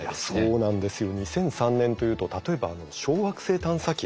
そうなんですよ。